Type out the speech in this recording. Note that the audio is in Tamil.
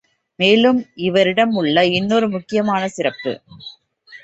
மேலும் இவரிடமுள்ள இன்னொரு முக்கியமான சிறப்பு.